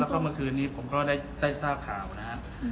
แล้วก็เมื่อคืนนี้ผมก็ได้ทราบข่าวนะครับ